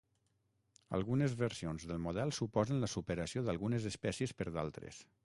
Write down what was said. Algunes versions del model suposen la superació d'algunes espècies per d'altres.